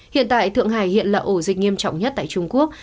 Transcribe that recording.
hiện tại thượng hải hiện là ổ dịch nghiêm trọng nhất tại trung quốc